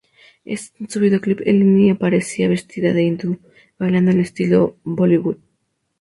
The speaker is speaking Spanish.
En su videoclip, Eleni aparecía vestida de hindú, bailando al estilo Bollywood.